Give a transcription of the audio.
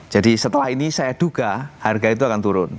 jadi setelah ini saya duga harga itu akan turun